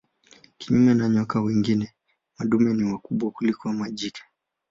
Kinyume na nyoka wengine madume ni wakubwa kuliko majike.